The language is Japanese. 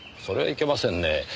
それはいけませんねえ。